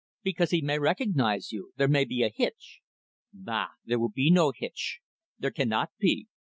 "Because he may recognise you. There may be a hitch." "Bah! There will be no hitch. There cannot be.